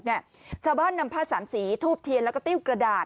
ชาวบ้านนำผ้าสามสีทูบเทียนแล้วก็ติ้วกระดาษ